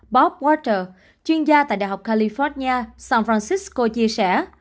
bob walter chuyên gia tại đại học california san francisco chia sẻ